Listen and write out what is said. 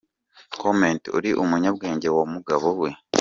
Comment: Uri umunyabwenge wa mugabo we!